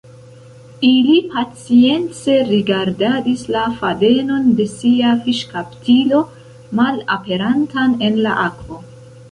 Ili pacience rigardadis la fadenon de sia fiŝkaptilo malaperantan en la akvo.